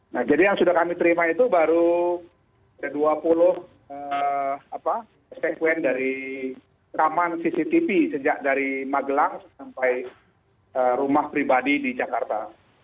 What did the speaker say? nah jadi yang sudah kami terima itu baru ada dua puluh spekuen dari rekaman cctv sejak dari magelang sampai rumah pribadi di jakarta